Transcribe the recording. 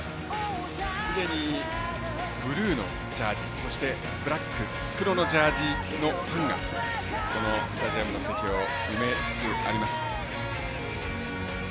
すでにブルーのジャージーそしてブラック黒のジャージのファンがこのスタジアムの席を埋めつつあります。